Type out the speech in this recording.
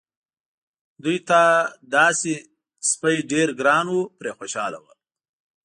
دوی ته دا سپی ډېر ګران و پرې خوشاله وو.